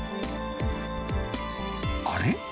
あれ？